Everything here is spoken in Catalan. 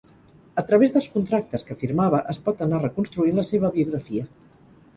A través dels contractes que firmava es pot anar reconstruint la seva biografia.